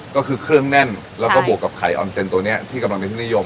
ก็คือเครื่องแน่นแล้วก็บวกกับไข่ออนเซ็นตัวนี้ที่กำลังเป็นที่นิยม